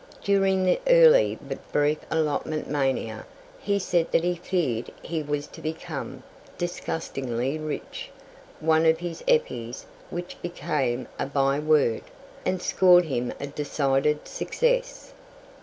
During the early but brief allotment mania he said that he feared he was to become "disgustingly rich," one of his epi's which became a by word, and scored him a decided success.